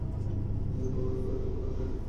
ওর জুতো এর উপযুক্ত না।